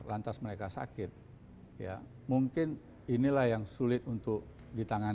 lantas mereka sakit mungkin inilah yang sulit untuk ditemukan